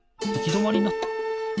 どまりになった。